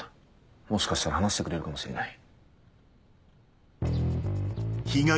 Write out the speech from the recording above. もしかしたら話してくれるかもしれない。